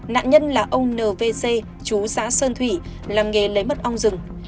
nạn nhân là ông nvc chú xã sơn thủy làm nghề lấy mật ong rừng